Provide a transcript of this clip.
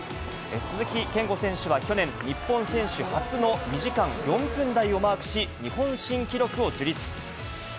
鈴木健吾選手は去年、日本選手初の２時間４分台をマークし、日本新記録を樹立。